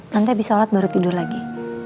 nanti habis sholat baru tidur lagi